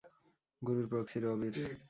গুরুর প্রক্সি, রবির!